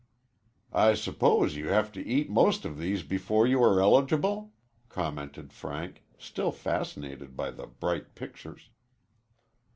"I suppose you have to eat most of these before you are eligible?" commented Frank, still fascinated by the bright pictures.